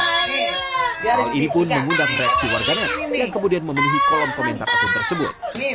hal ini pun mengundang reaksi warganet yang kemudian memenuhi kolom komentar akun tersebut